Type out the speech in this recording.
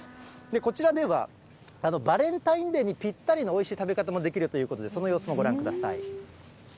こちらでは、バレンタインデーにぴったりのおいしい食べ方もできるということで、その様子、ご覧ください。